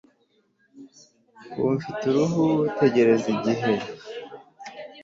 ubu mfite uruhu; tegereza igihe